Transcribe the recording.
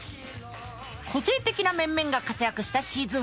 個性的な面々が活躍したシーズン１。